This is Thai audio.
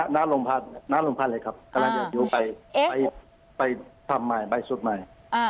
หน้าโรงพักเลยครับกำลังจะอยู่ไปทำใหม่ไปสุดใหม่